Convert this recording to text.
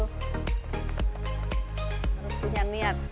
harus punya niat